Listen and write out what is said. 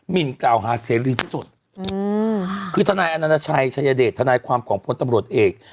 มินกล่าวหาเสรีพิสุทธิ์คือทนายอนาชัยชายเดชทนายความของพลตำรวจเอก